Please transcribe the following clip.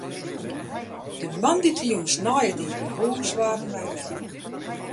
De moandeitejûns nei it iepen hús waarden wy belle.